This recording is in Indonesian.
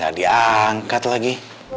gak diangkat lagi